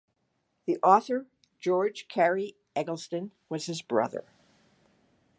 The author George Cary Eggleston was his brother.